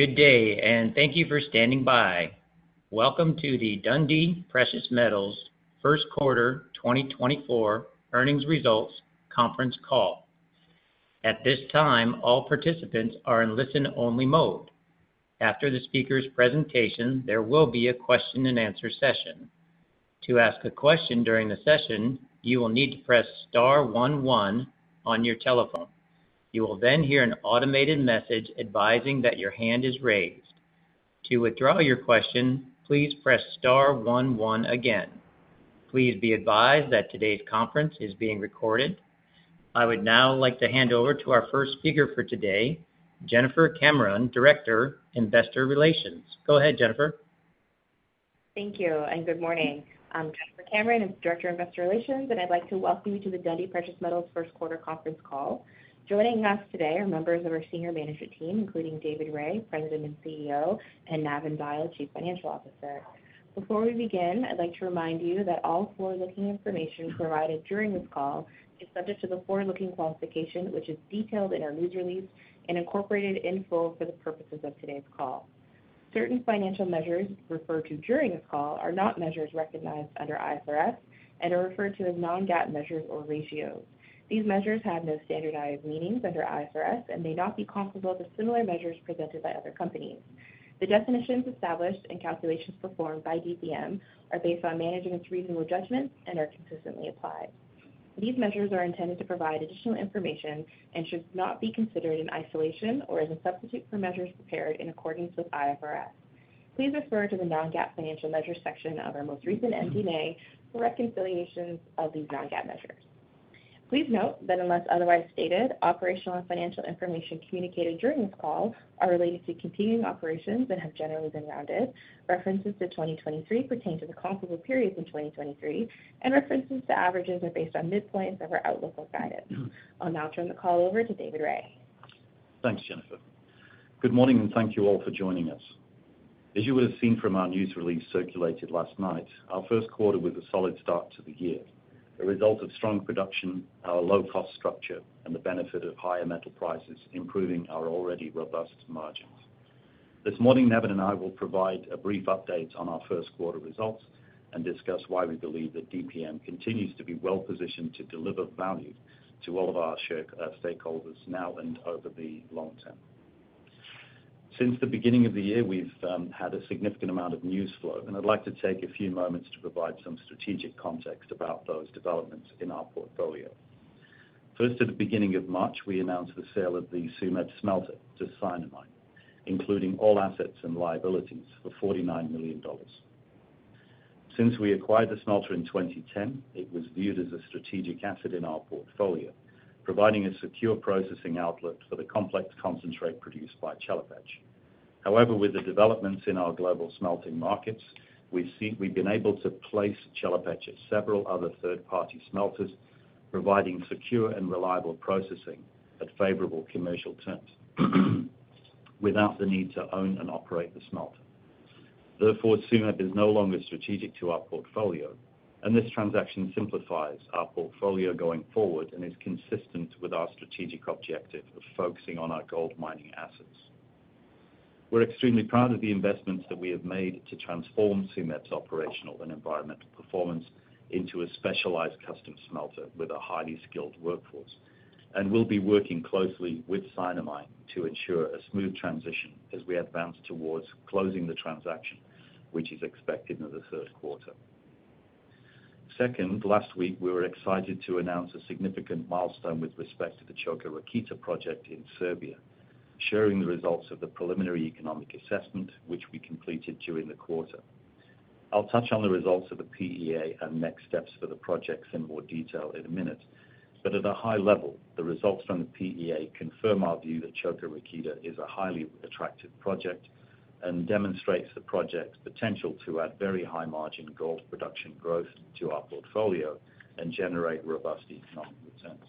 Good day, and thank you for standing by. Welcome to the Dundee Precious Metals First Quarter 2024 Earnings Results Conference Call. At this time, all participants are in listen-only mode. After the speaker's presentation, there will be a question-and-answer session. To ask a question during the session, you will need to press star one one on your telephone. You will then hear an automated message advising that your hand is raised. To withdraw your question, please press star one one again. Please be advised that today's conference is being recorded. I would now like to hand over to our first speaker for today, Jennifer Cameron, Director, Investor Relations. Go ahead, Jennifer. Thank you, and good morning. I'm Jennifer Cameron, Director, Investor Relations, and I'd like to welcome you to the Dundee Precious Metals First Quarter Conference Call. Joining us today are members of our senior management team, including David Rae, President and CEO, and Navin Dyal, Chief Financial Officer. Before we begin, I'd like to remind you that all forward-looking information provided during this call is subject to the forward-looking qualification, which is detailed in our news release and incorporated in full for the purposes of today's call. Certain financial measures referred to during this call are not measures recognized under IFRS and are referred to as non-GAAP measures or ratios. These measures have no standardized meanings under IFRS and may not be comparable to similar measures presented by other companies. The definitions established and calculations performed by DPM are based on management's reasonable judgment and are consistently applied. These measures are intended to provide additional information and should not be considered in isolation or as a substitute for measures prepared in accordance with IFRS. Please refer to the non-GAAP financial measures section of our most recent MD&A for reconciliations of these non-GAAP measures. Please note that unless otherwise stated, operational and financial information communicated during this call are related to continuing operations and have generally been rounded. References to 2023 pertain to the comparable periods in 2023, and references to averages are based on midpoints of our outlook or guidance. I'll now turn the call over to David Rae. Thanks, Jennifer. Good morning, and thank you all for joining us. As you would have seen from our news release circulated last night, our first quarter was a solid start to the year, a result of strong production, our low-cost structure, and the benefit of higher metal prices improving our already robust margins. This morning, Navin and I will provide a brief update on our first quarter results and discuss why we believe that DPM continues to be well-positioned to deliver value to all of our stakeholders now and over the long term. Since the beginning of the year, we've had a significant amount of news flow, and I'd like to take a few moments to provide some strategic context about those developments in our portfolio. First, at the beginning of March, we announced the sale of the Tsumeb Smelter to Sinomine, including all assets and liabilities, for $49 million. Since we acquired the smelter in 2010, it was viewed as a strategic asset in our portfolio, providing a secure processing outlook for the complex concentrate produced by Chelopech. However, with the developments in our global smelting markets, we've been able to place Chelopech at several other third-party smelters, providing secure and reliable processing at favorable commercial terms without the need to own and operate the smelter. Therefore, Tsumeb is no longer strategic to our portfolio, and this transaction simplifies our portfolio going forward and is consistent with our strategic objective of focusing on our gold mining assets. We're extremely proud of the investments that we have made to transform Tsumeb's operational and environmental performance into a specialized custom smelter with a highly skilled workforce, and we'll be working closely with Sinomine to ensure a smooth transition as we advance towards closing the transaction, which is expected in the third quarter. Second, last week, we were excited to announce a significant milestone with respect to the Čoka Rakita project in Serbia, sharing the results of the preliminary economic assessment, which we completed during the quarter. I'll touch on the results of the PEA and next steps for the projects in more detail in a minute, but at a high level, the results from the PEA confirm our view that Čoka Rakita is a highly attractive project and demonstrates the project's potential to add very high-margin gold production growth to our portfolio and generate robust economic returns.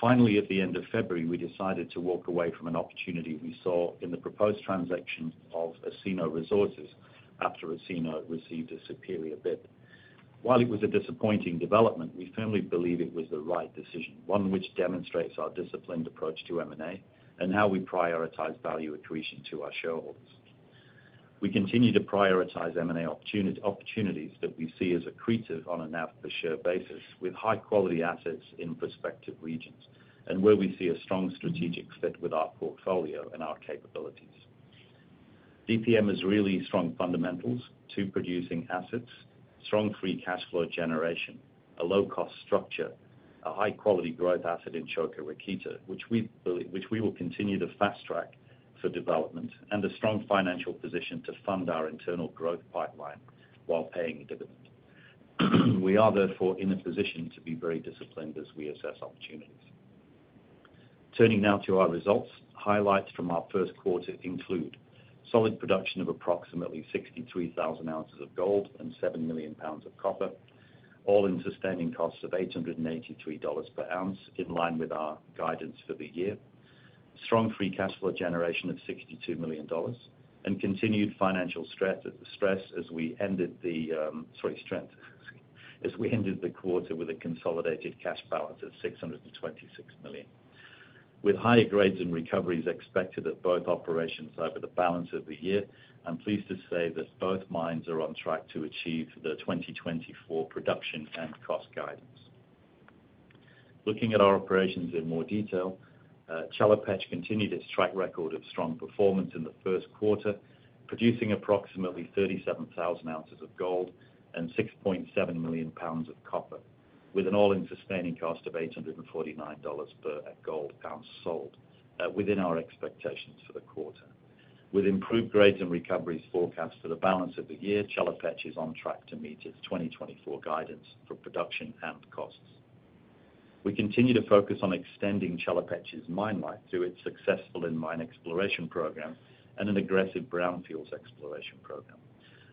Finally, at the end of February, we decided to walk away from an opportunity we saw in the proposed transaction of Osino Resources after Osino received a superior bid. While it was a disappointing development, we firmly believe it was the right decision, one which demonstrates our disciplined approach to M&A and how we prioritize value accretion to our shareholders. We continue to prioritize M&A opportunities that we see as accretive on a NAV per share basis, with high-quality assets in prospective regions and where we see a strong strategic fit with our portfolio and our capabilities. DPM has really strong fundamentals to producing assets, strong free cash flow generation, a low-cost structure, a high-quality growth asset in Čoka Rakita, which we will continue to fast-track for development, and a strong financial position to fund our internal growth pipeline while paying a dividend. We are, therefore, in a position to be very disciplined as we assess opportunities. Turning now to our results, highlights from our first quarter include solid production of approximately 63,000 ounces of gold and 7 million pounds of copper, all-in sustaining costs of $883 per ounce in line with our guidance for the year, strong free cash flow generation of $62 million, and continued financial strength as we ended the quarter with a consolidated cash balance of $626 million. With higher grades and recoveries expected at both operations over the balance of the year, I'm pleased to say that both mines are on track to achieve the 2024 production and cost guidance. Looking at our operations in more detail, Chelopech continued its track record of strong performance in the first quarter, producing approximately 37,000 ounces of gold and 6.7 million pounds of copper, with an all-in sustaining cost of $849 per gold ounce sold, within our expectations for the quarter. With improved grades and recoveries forecast for the balance of the year, Chelopech is on track to meet its 2024 guidance for production and costs. We continue to focus on extending Chelopech's mine life through its successful in-mine exploration program and an aggressive brownfields exploration program.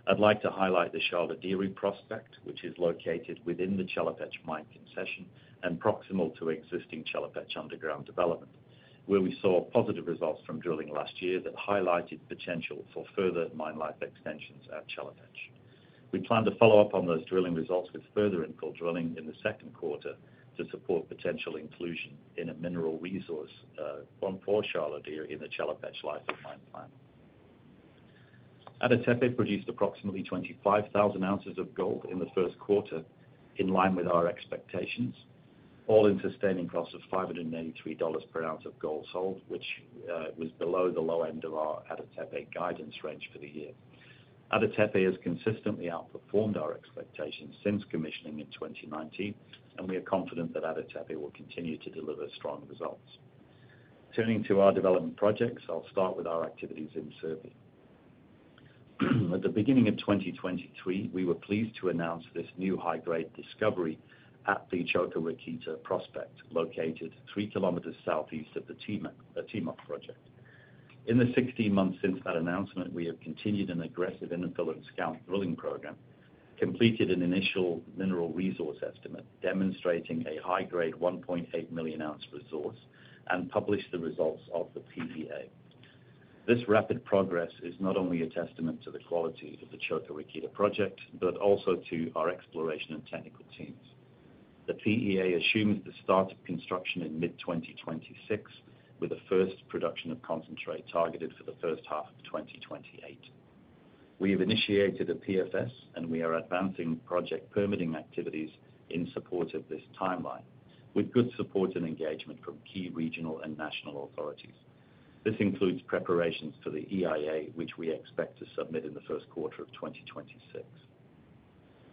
I'd like to highlight the Sharlo Dere prospect, which is located within the Chelopech mine concession and proximal to existing Chelopech underground development, where we saw positive results from drilling last year that highlighted potential for further mine life extensions at Chelopech. We plan to follow up on those drilling results with further infill drilling in the second quarter to support potential inclusion in a mineral resource for Sharlo Dere in the Chelopech life-of-mine plan. Ada Tepe produced approximately 25,000 ounces of gold in the first quarter in line with our expectations, all-in sustaining costs of $583 per ounce of gold sold, which was below the low end of our Ada Tepe guidance range for the year. Ada Tepe has consistently outperformed our expectations since commissioning in 2019, and we are confident that Ada Tepe will continue to deliver strong results. Turning to our development projects, I'll start with our activities in Serbia. At the beginning of 2023, we were pleased to announce this new high-grade discovery at the Čoka Rakita prospect, located three kilometers southeast of the Timok project. In the 16 months since that announcement, we have continued an aggressive infill and scout drilling program, completed an initial mineral resource estimate demonstrating a high-grade 1.8 million ounce resource, and published the results of the PEA. This rapid progress is not only a testament to the quality of the Čoka Rakita project but also to our exploration and technical teams. The PEA assumes the start of construction in mid-2026, with a first production of concentrate targeted for the first half of 2028. We have initiated a PFS, and we are advancing project permitting activities in support of this timeline, with good support and engagement from key regional and national authorities. This includes preparations for the EIA, which we expect to submit in the first quarter of 2026.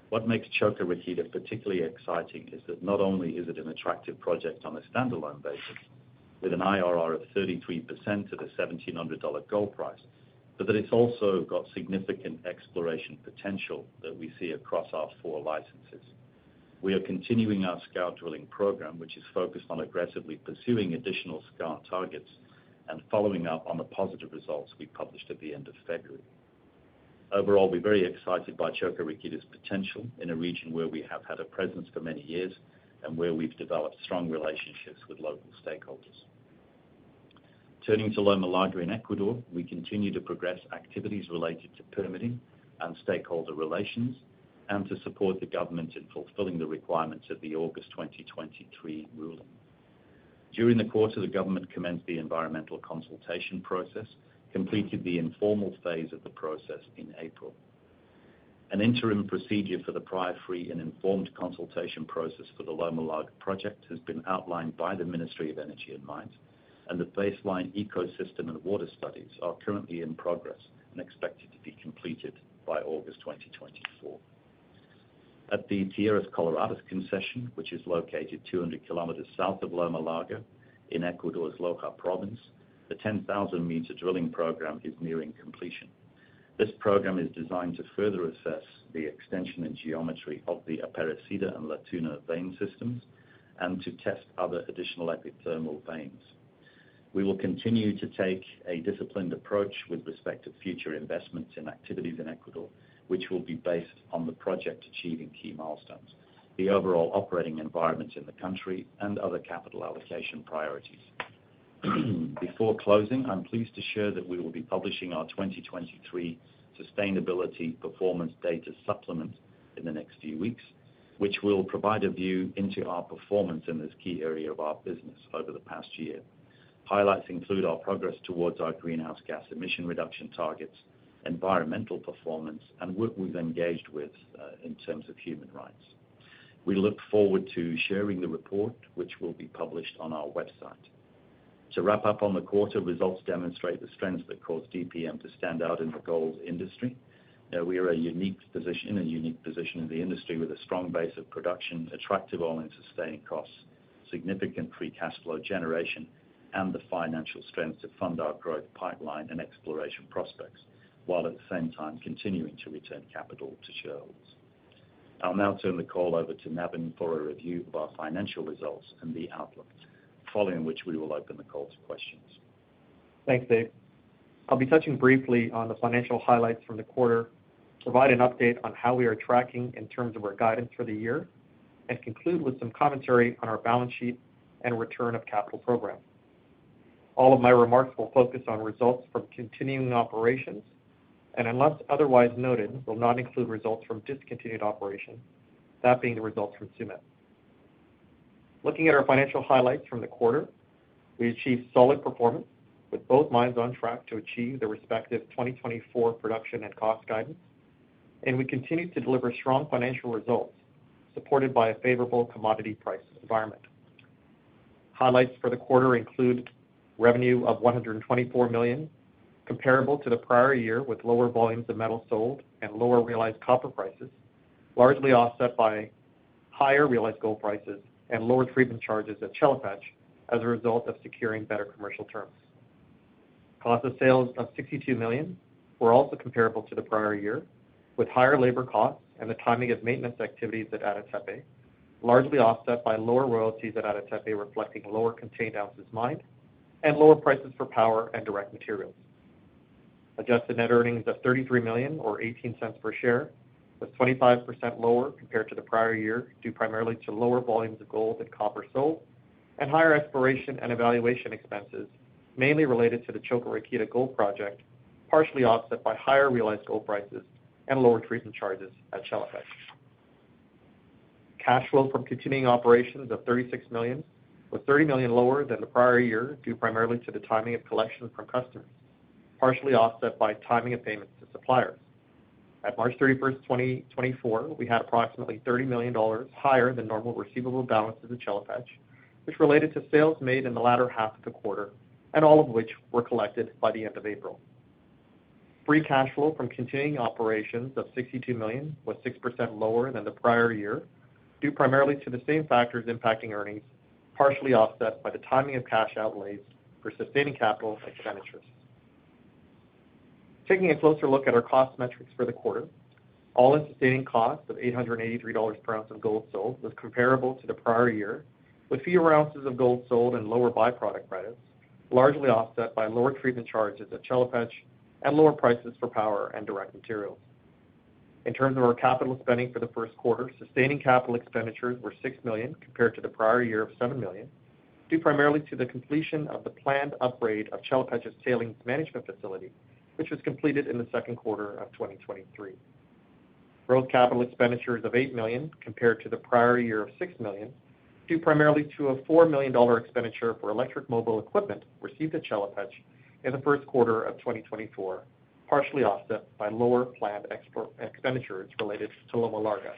What makes Čoka Rakita particularly exciting is that not only is it an attractive project on a standalone basis, with an IRR of 33% to the $1,700 gold price, but that it's also got significant exploration potential that we see across our four licenses. We are continuing our scout drilling program, which is focused on aggressively pursuing additional scout targets and following up on the positive results we published at the end of February. Overall, we're very excited by Čoka Rakita's potential in a region where we have had a presence for many years and where we've developed strong relationships with local stakeholders. Turning to Loma Larga in Ecuador, we continue to progress activities related to permitting and stakeholder relations and to support the government in fulfilling the requirements of the August 2023 ruling. During the quarter, the government commenced the environmental consultation process, completed the informal phase of the process in April. An interim procedure for the prior free and informed consultation process for the Loma Larga project has been outlined by the Ministry of Energy and Mines, and the baseline ecosystem and water studies are currently in progress and expected to be completed by August 2024. At the Tierras Coloradas's concession, which is located 200 kilometers south of Loma Larga in Ecuador's Loja Province, the 10,000-meter drilling program is nearing completion. This program is designed to further assess the extension and geometry of the Aparecida and La Tuna vein systems and to test other additional epithermal veins. We will continue to take a disciplined approach with respect to future investments in activities in Ecuador, which will be based on the project achieving key milestones, the overall operating environments in the country, and other capital allocation priorities. Before closing, I'm pleased to share that we will be publishing our 2023 Sustainability Performance Data Supplement in the next few weeks, which will provide a view into our performance in this key area of our business over the past year. Highlights include our progress towards our greenhouse gas emission reduction targets, environmental performance, and what we've engaged with in terms of human rights. We look forward to sharing the report, which will be published on our website. To wrap up on the quarter, results demonstrate the strengths that cause DPM to stand out in the gold industry. We are a unique position, a unique position in the industry with a strong base of production, attractive all-in sustaining costs, significant free cash flow generation, and the financial strengths to fund our growth pipeline and exploration prospects, while at the same time continuing to return capital to shareholders. I'll now turn the call over to Navin for a review of our financial results and the outlook, following which we will open the call to questions. Thanks, Dave. I'll be touching briefly on the financial highlights from the quarter, provide an update on how we are tracking in terms of our guidance for the year, and conclude with some commentary on our balance sheet and return of capital program. All of my remarks will focus on results from continuing operations, and unless otherwise noted, will not include results from discontinued operation, that being the results from Tsumeb. Looking at our financial highlights from the quarter, we achieved solid performance with both mines on track to achieve their respective 2024 production and cost guidance, and we continue to deliver strong financial results supported by a favorable commodity price environment. Highlights for the quarter include revenue of $124 million, comparable to the prior year with lower volumes of metal sold and lower realized copper prices, largely offset by higher realized gold prices and lower treatment charges at Chelopech as a result of securing better commercial terms. Cost of sales of $62 million were also comparable to the prior year with higher labor costs and the timing of maintenance activities at Ada Tepe, largely offset by lower royalties at Ada Tepe reflecting lower contained ounces mined and lower prices for power and direct materials. Adjusted net earnings of $33 million or $0.18 per share was 25% lower compared to the prior year due primarily to lower volumes of gold and copper sold and higher exploration and evaluation expenses, mainly related to the Čoka Rakita gold project, partially offset by higher realized gold prices and lower treatment charges at Chelopech. Cash flow from continuing operations of $36 million was $30 million lower than the prior year due primarily to the timing of collections from customers, partially offset by timing of payments to suppliers. At March 31st, 2024, we had approximately $30 million higher than normal receivable balances at Chelopech, which related to sales made in the latter half of the quarter, and all of which were collected by the end of April. Free cash flow from continuing operations of $62 million was 6% lower than the prior year due primarily to the same factors impacting earnings, partially offset by the timing of cash outlays for sustaining capital expenditures. Taking a closer look at our cost metrics for the quarter, all-in sustaining costs of $883 per ounce of gold sold was comparable to the prior year with fewer ounces of gold sold and lower byproduct credits, largely offset by lower treatment charges at Chelopech and lower prices for power and direct materials. In terms of our capital spending for the first quarter, sustaining capital expenditures were $6 million compared to the prior year of $7 million due primarily to the completion of the planned upgrade of Chelopech's tailings management facility, which was completed in the second quarter of 2023. Gross capital expenditures of $8 million compared to the prior year of $6 million due primarily to a $4 million expenditure for electric mobile equipment received at Chelopech in the first quarter of 2024, partially offset by lower planned expenditures related to Loma Larga.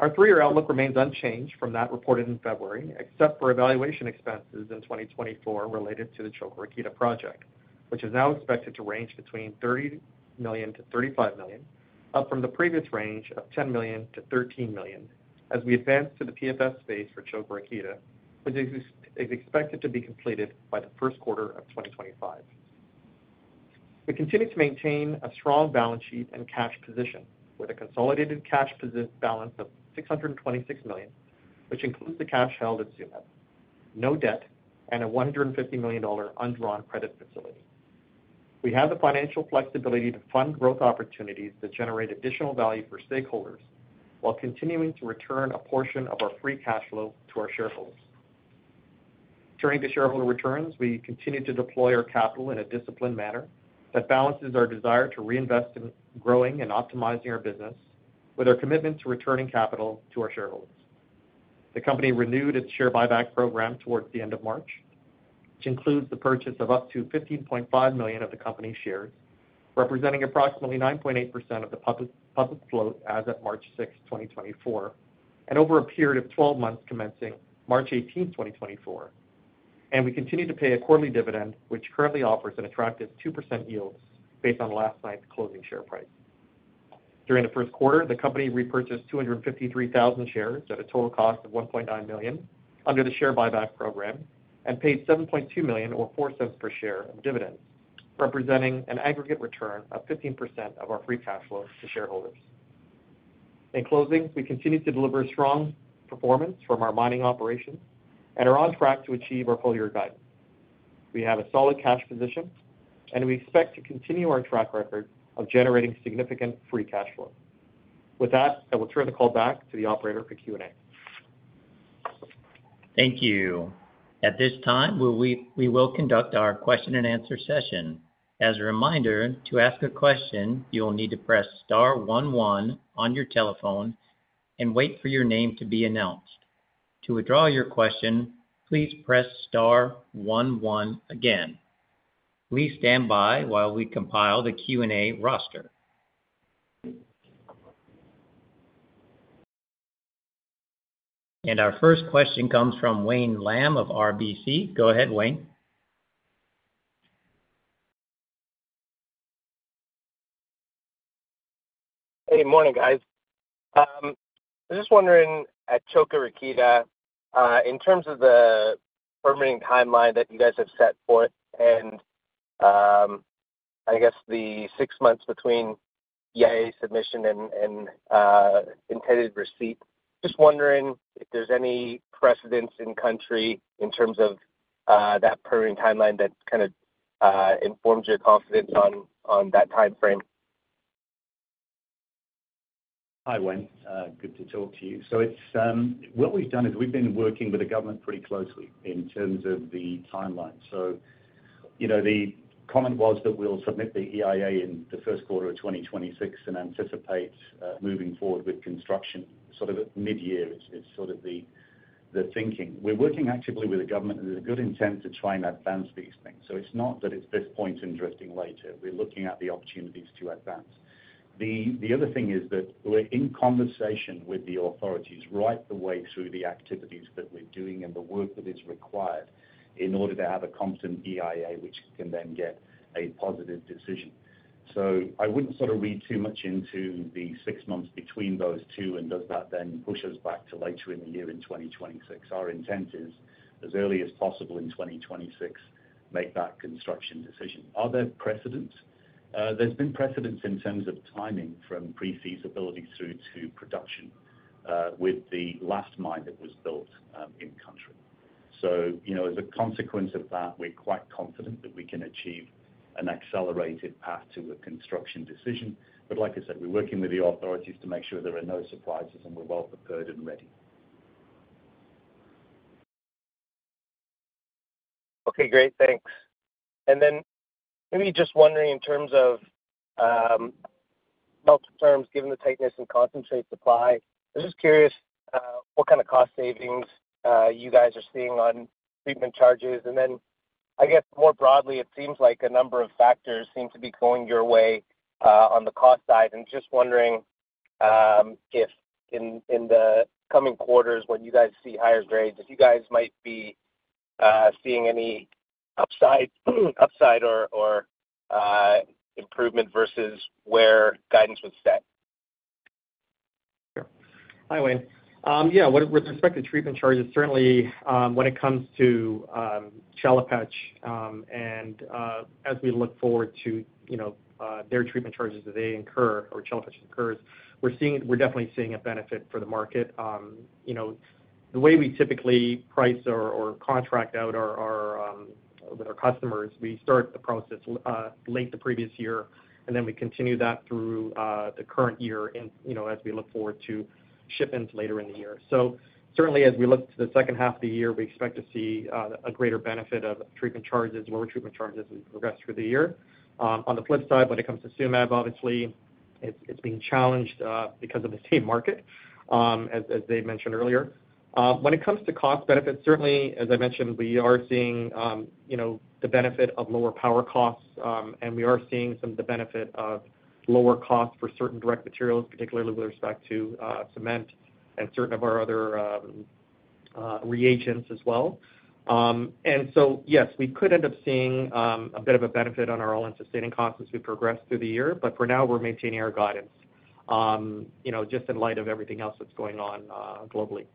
Our three-year outlook remains unchanged from that reported in February, except for evaluation expenses in 2024 related to the Čoka Rakita project, which is now expected to range between $30 million-$35 million, up from the previous range of $10 million-$13 million as we advance to the PFS phase for Čoka Rakita, which is expected to be completed by the first quarter of 2025. We continue to maintain a strong balance sheet and cash position with a consolidated cash balance of $626 million, which includes the cash held at Tsumeb, no debt, and a $150 million undrawn credit facility. We have the financial flexibility to fund growth opportunities that generate additional value for stakeholders while continuing to return a portion of our free cash flow to our shareholders. Turning to shareholder returns, we continue to deploy our capital in a disciplined manner that balances our desire to reinvest in growing and optimizing our business with our commitment to returning capital to our shareholders. The company renewed its share buyback program towards the end of March, which includes the purchase of up to 15.5 million of the company's shares, representing approximately 9.8% of the public float as of March 6th, 2024, and over a period of 12 months commencing March 18th, 2024. We continue to pay a quarterly dividend, which currently offers an attractive 2% yield based on last night's closing share price. During the first quarter, the company repurchased 253,000 shares at a total cost of $1.9 million under the share buyback program and paid $7.2 million or $0.04 per share of dividends, representing an aggregate return of 15% of our free cash flow to shareholders. In closing, we continue to deliver strong performance from our mining operations and are on track to achieve our full-year guidance. We have a solid cash position, and we expect to continue our track record of generating significant free cash flow. With that, I will turn the call back to the operator for Q&A. Thank you. At this time, we will conduct our question and answer session. As a reminder, to ask a question, you will need to press star one one on your telephone and wait for your name to be announced. To withdraw your question, please press star one one again. Please stand by while we compile the Q&A roster. Our first question comes from Wayne Lam of RBC. Go ahead, Wayne. Hey, morning, guys. I'm just wondering at Čoka Rakita, in terms of the permitting timeline that you guys have set for it and I guess the six months between EIA submission and intended receipt, just wondering if there's any precedent in country in terms of that permitting timeline that kind of informs your confidence on that timeframe. Hi, Wayne. Good to talk to you. So what we've done is we've been working with the government pretty closely in terms of the timeline. So the comment was that we'll submit the EIA in the first quarter of 2026 and anticipate moving forward with construction. Sort of mid-year is sort of the thinking. We're working actively with the government and there's a good intent to try and advance these things. So it's not that it's this point and drifting later. We're looking at the opportunities to advance. The other thing is that we're in conversation with the authorities right the way through the activities that we're doing and the work that is required in order to have a competent EIA, which can then get a positive decision. So I wouldn't sort of read too much into the six months between those two, and does that then push us back to later in the year in 2026? Our intent is, as early as possible in 2026, make that construction decision. Are there precedents? There's been precedents in terms of timing from pre-feasibility through to production with the last mine that was built in country. So as a consequence of that, we're quite confident that we can achieve an accelerated path to a construction decision. But like I said, we're working with the authorities to make sure there are no surprises and we're well prepared and ready. Okay, great. Thanks. And then maybe just wondering in terms of marketing terms, given the tightness in concentrate supply, I'm just curious what kind of cost savings you guys are seeing on treatment charges. And then I guess more broadly, it seems like a number of factors seem to be going your way on the cost side. And just wondering if in the coming quarters, when you guys see higher grades, if you guys might be seeing any upside or improvement versus where guidance was set. Sure. Hi, Wayne. Yeah, with respect to treatment charges, certainly when it comes to Chelopech and as we look forward to their treatment charges that they incur or Chelopech incurs, we're definitely seeing a benefit for the market. The way we typically price or contract out with our customers, we start the process late the previous year, and then we continue that through the current year as we look forward to shipments later in the year. So certainly, as we look to the second half of the year, we expect to see a greater benefit of treatment charges, lower treatment charges as we progress through the year. On the flip side, when it comes to Tsumeb, obviously, it's being challenged because of the same market, as they mentioned earlier. When it comes to cost benefits, certainly, as I mentioned, we are seeing the benefit of lower power costs, and we are seeing some of the benefit of lower costs for certain direct materials, particularly with respect to cement and certain of our other reagents as well. So yes, we could end up seeing a bit of a benefit on our All-in Sustaining Costs as we progress through the year, but for now, we're maintaining our guidance just in light of everything else that's going on globally.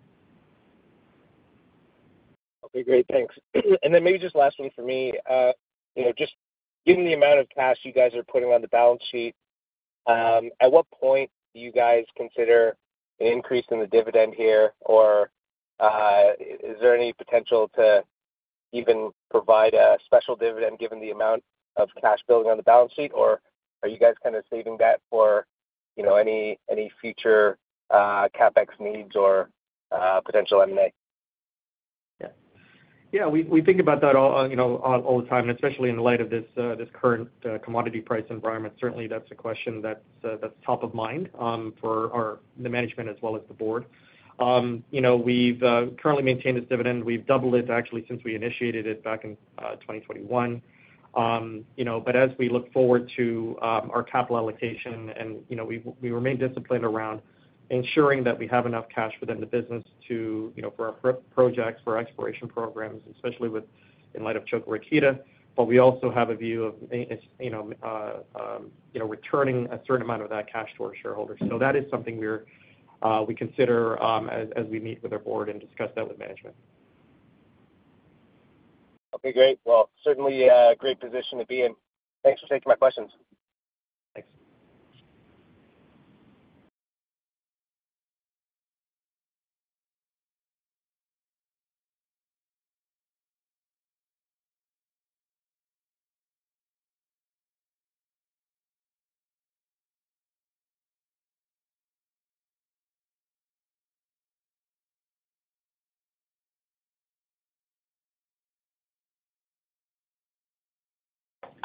Okay, great. Thanks. And then maybe just last one for me. Just given the amount of cash you guys are putting on the balance sheet, at what point do you guys consider an increase in the dividend here? Or is there any potential to even provide a special dividend given the amount of cash building on the balance sheet? Or are you guys kind of saving that for any future CapEx needs or potential M&A? Yeah. Yeah, we think about that all the time, and especially in the light of this current commodity price environment, certainly, that's a question that's top of mind for the management as well as the board. We've currently maintained this dividend. We've doubled it, actually, since we initiated it back in 2021. But as we look forward to our capital allocation, we remain disciplined around ensuring that we have enough cash within the business for our projects, for our exploration programs, especially in light of Čoka Rakita. But we also have a view of returning a certain amount of that cash to our shareholders. So that is something we consider as we meet with our board and discuss that with management. Okay, great. Well, certainly, great position to be in. Thanks for taking my questions.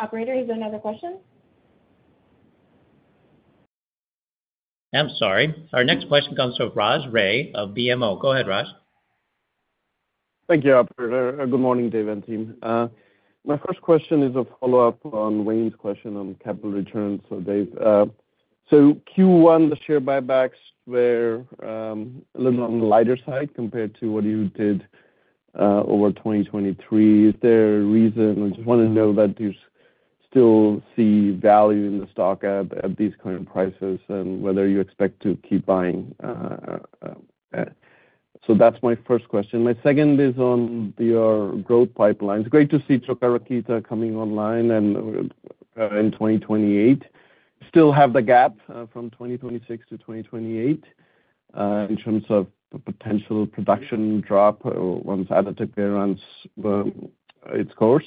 Thanks. Operator, is there another question? I'm sorry. Our next question comes from Raj Ray of BMO. Go ahead, Raj. Thank you, Operator. Good morning, Dave and team. My first question is a follow-up on Wayne's question on capital returns. So Dave, so Q1, the share buybacks were a little on the lighter side compared to what you did over 2023. Is there a reason? I just want to know that you still see value in the stock at these current prices and whether you expect to keep buying. So that's my first question. My second is on your growth pipelines. Great to see Čoka Rakita coming online in 2028. Still have the gap from 2026 to 2028 in terms of potential production drop once Ada Tepe runs its course.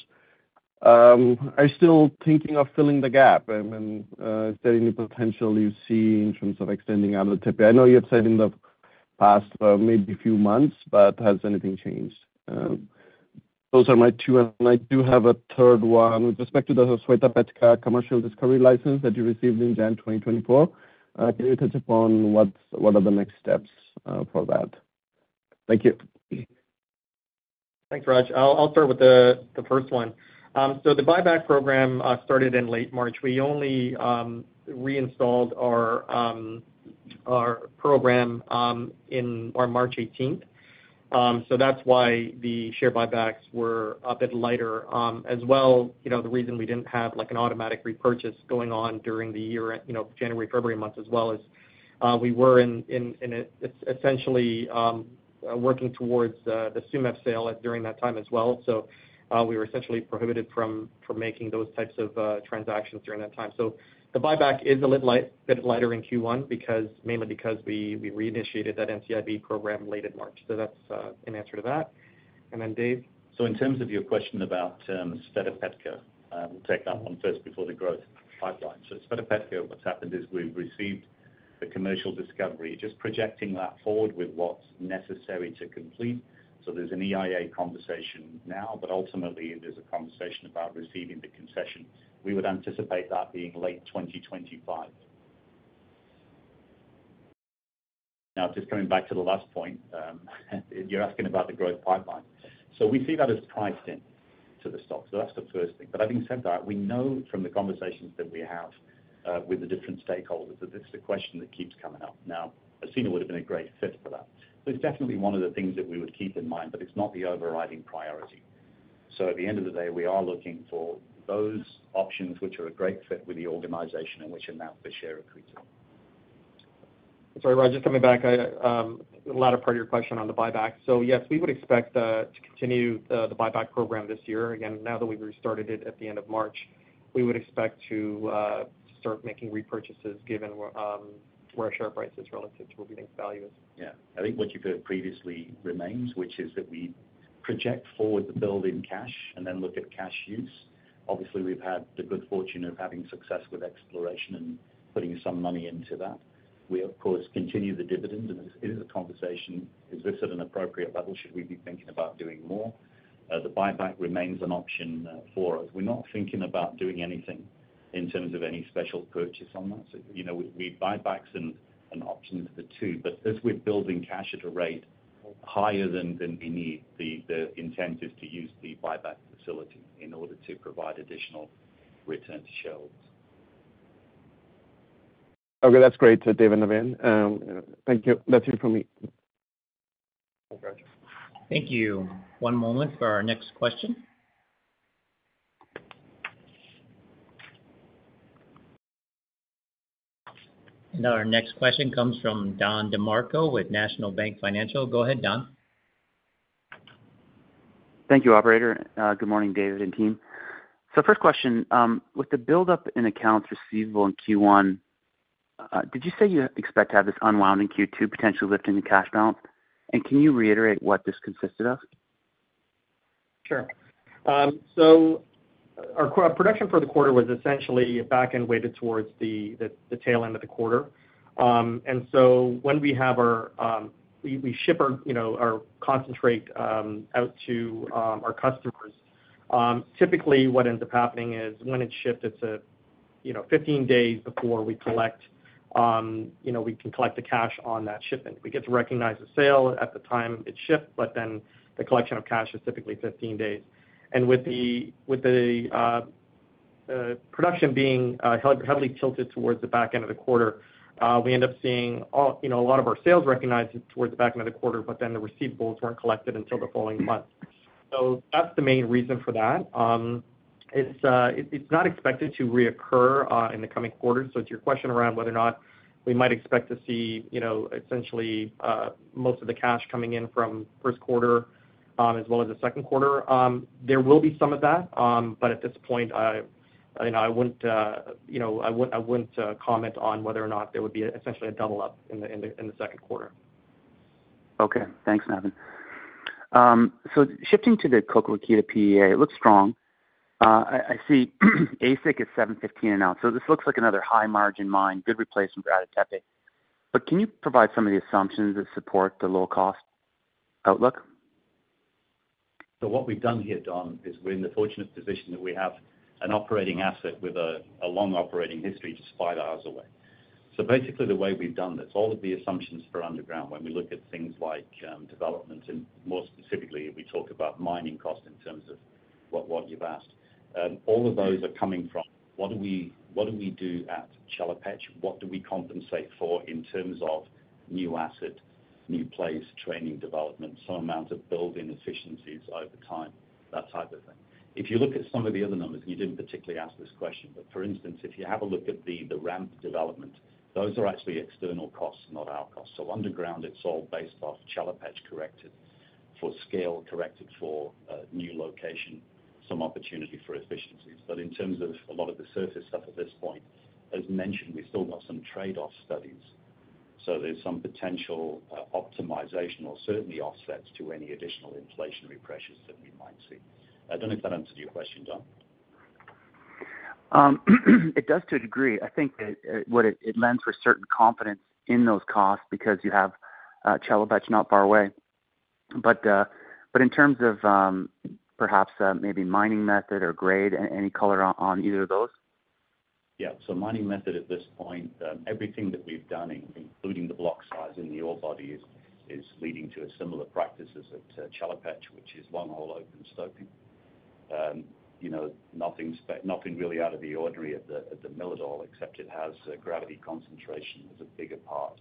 Are you still thinking of filling the gap? I mean, is there any potential you see in terms of extending Ada Tepe? I know you have said in the past maybe a few months, but has anything changed? Those are my two. I do have a third one with respect to the Sveta Petka commercial discovery license that you received in January 2024. Can you touch upon what are the next steps for that? Thank you. Thanks, Raj. I'll start with the first one. So the buyback program started in late March. We only reinstalled our program on March 18th. So that's why the share buybacks were a bit lighter. As well, the reason we didn't have an automatic repurchase going on during the year, January/February months as well, is we were essentially working towards the Tsumeb sale during that time as well. So we were essentially prohibited from making those types of transactions during that time. So the buyback is a bit lighter in Q1 mainly because we reinitiated that NCIB program late in March. So that's an answer to that. And then Dave? So in terms of your question about Sveta Petka, we'll take that one first before the growth pipeline. So at Sveta Petka, what's happened is we've received the commercial discovery. Just projecting that forward with what's necessary to complete. So there's an EIA conversation now, but ultimately, there's a conversation about receiving the concession. We would anticipate that being late 2025. Now, just coming back to the last point, you're asking about the growth pipeline. So we see that as priced into the stock. So that's the first thing. But having said that, we know from the conversations that we have with the different stakeholders that this is a question that keeps coming up. Now, Osino would have been a great fit for that. So it's definitely one of the things that we would keep in mind, but it's not the overriding priority. At the end of the day, we are looking for those options which are a great fit with the organization and which announce the share accretion. Sorry, Raj, just coming back to the latter part of your question on the buyback. So yes, we would expect to continue the buyback program this year. Again, now that we've restarted it at the end of March, we would expect to start making repurchases given where share price is relative to what we think value is. Yeah. I think what you've heard previously remains, which is that we project forward the build-up in cash and then look at cash use. Obviously, we've had the good fortune of having success with exploration and putting some money into that. We, of course, continue the dividend. It is a conversation: is this at an appropriate level? Should we be thinking about doing more? The buyback remains an option for us. We're not thinking about doing anything in terms of any special purchase on that. Buybacks and options are the two. But as we're building cash at a rate higher than we need, the intent is to use the buyback facility in order to provide additional return to shareholders. Okay, that's great, Dave and Navin. Thank you. That's it from me. Thank you. One moment for our next question. Our next question comes from Don DeMarco with National Bank Financial. Go ahead, Don. Thank you, Operator. Good morning, David and team. So first question, with the buildup in accounts receivable in Q1, did you say you expect to have this unwound in Q2, potentially lifting the cash balance? And can you reiterate what this consisted of? Sure. So our production for the quarter was essentially back-end weighted towards the tail end of the quarter. And so when we ship our concentrate out to our customers. Typically, what ends up happening is when it's shipped, it's 15 days before we can collect the cash on that shipment. We get to recognize the sale at the time it's shipped, but then the collection of cash is typically 15 days. And with the production being heavily tilted towards the back end of the quarter, we end up seeing a lot of our sales recognized towards the back end of the quarter, but then the receivables weren't collected until the following month. So that's the main reason for that. It's not expected to recur in the coming quarters. It's your question around whether or not we might expect to see essentially most of the cash coming in from first quarter as well as the second quarter. There will be some of that, but at this point, I wouldn't comment on whether or not there would be essentially a double-up in the second quarter. Okay. Thanks, Navin. Shifting to the Čoka Rakita PEA, it looks strong. I see AISC is $715 an ounce. This looks like another high-margin mine, good replacement for Ada Tepe. But can you provide some of the assumptions that support the low-cost outlook? So what we've done here, Don, is we're in the fortunate position that we have an operating asset with a long operating history just five hours away. So basically, the way we've done this, all of the assumptions for underground, when we look at things like developments and more specifically, if we talk about mining cost in terms of what you've asked, all of those are coming from what do we do at Chelopech? What do we compensate for in terms of new asset, new place, training, development, some amount of building efficiencies over time, that type of thing? If you look at some of the other numbers and you didn't particularly ask this question, but for instance, if you have a look at the ramp development, those are actually external costs, not our costs. So underground, it's all based off Chelopech corrected for scale, corrected for new location, some opportunity for efficiencies. But in terms of a lot of the surface stuff at this point, as mentioned, we've still got some trade-off studies. So there's some potential optimization or certainly offsets to any additional inflationary pressures that we might see. I don't know if that answered your question, Don. It does to a degree. I think that it lends for certain confidence in those costs because you have Chelopech not far away. But in terms of perhaps maybe mining method or grade, any color on either of those? Yeah. So mining method at this point, everything that we've done, including the block size in the ore bodies, is leading to similar practices at Chelopech, which is long-hole open stoping. Nothing really out of the ordinary at Čoka Rakita, except it has gravity concentration as a bigger part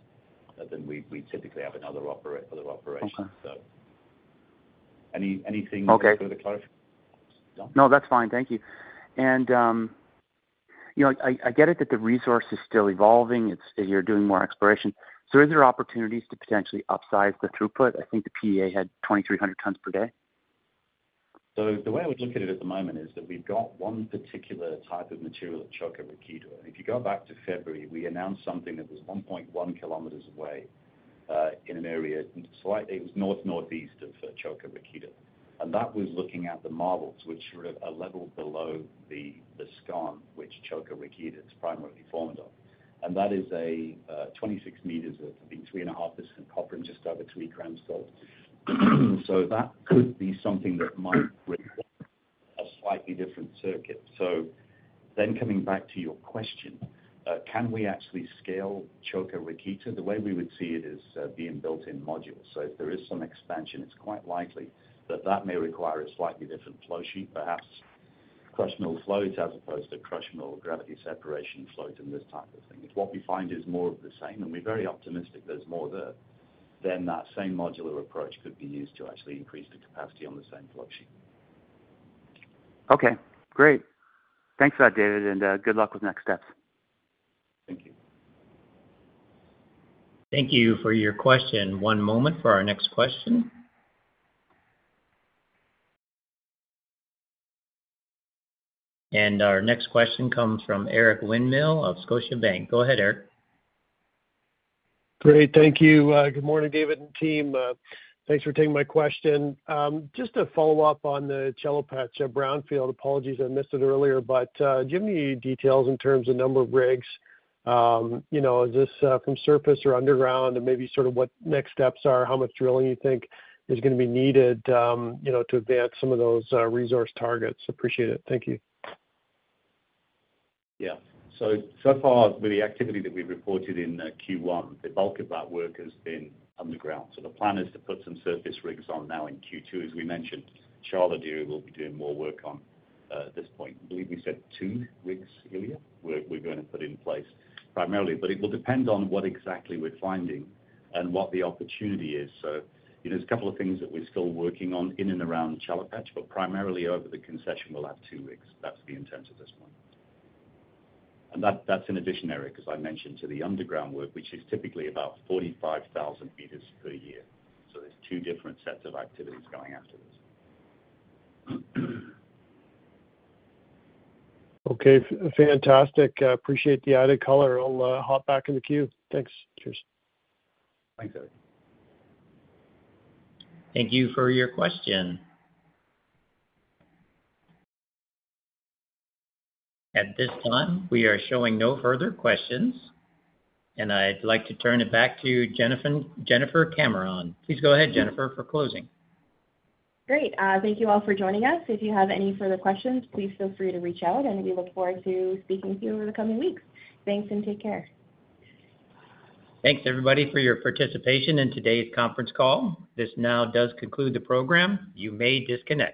than we typically have in other operations, so. Anything further clarification, Don? No, that's fine. Thank you. And I get it that the resource is still evolving. You're doing more exploration. So is there opportunities to potentially upsize the throughput? I think the PEA had 2,300 tons per day. So the way I would look at it at the moment is that we've got one particular type of material at Čoka Rakita. And if you go back to February, we announced something that was 1.1 kilometers away in an area slightly it was north-northeast of Čoka Rakita. And that was looking at the marbles, which were a level below the skarn, which Čoka Rakita is primarily formed off. And that is 26 meters of I think 3.5% copper and just over three grams gold. So that could be something that might require a slightly different circuit. So then coming back to your question, can we actually scale Čoka Rakita? The way we would see it is being built-in modules. So if there is some expansion, it's quite likely that that may require a slightly different flow sheet, perhaps crush mill floats as opposed to crush mill gravity separation floats and this type of thing. If what we find is more of the same, and we're very optimistic there's more there, then that same modular approach could be used to actually increase the capacity on the same flow sheet. Okay. Great. Thanks for that, David, and good luck with next steps. Thank you. Thank you for your question. One moment for our next question. Our next question comes from Eric Winmill of Scotiabank. Go ahead, Eric. Great. Thank you. Good morning, David and team. Thanks for taking my question. Just a follow-up on the Chelopech brownfield. Apologies I missed it earlier, but do you have any details in terms of number of rigs? Is this from surface or underground? And maybe sort of what next steps are, how much drilling you think is going to be needed to advance some of those resource targets? Appreciate it. Thank you. Yeah. So far, with the activity that we've reported in Q1, the bulk of that work has been underground. So the plan is to put some surface rigs on now in Q2. As we mentioned, Sharlo Dere here will be doing more work on at this point. I believe we said two rigs earlier we're going to put in place primarily, but it will depend on what exactly we're finding and what the opportunity is. So there's a couple of things that we're still working on in and around Chelopech, but primarily over the concession, we'll have two rigs. That's the intent at this point. And that's additionally because I mentioned to the underground work, which is typically about 45,000 meters per year. So there's two different sets of activities going after this. Okay. Fantastic. Appreciate the added color. I'll hop back in the queue. Thanks. Cheers. Thanks, Eric. Thank you for your question. At this time, we are showing no further questions. I'd like to turn it back to Jennifer Cameron. Please go ahead, Jennifer, for closing. Great. Thank you all for joining us. If you have any further questions, please feel free to reach out, and we look forward to speaking to you over the coming weeks. Thanks and take care. Thanks, everybody, for your participation in today's conference call. This now does conclude the program. You may disconnect.